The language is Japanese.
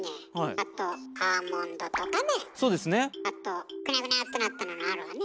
あとグニャグニャってなったのがあるわね。